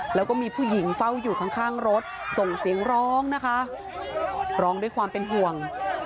แล้วก็มีผู้หญิงเฝ้าอยู่ข้างรถส่งเสียงร้องนะคะร้องด้วยความเป็นห่วง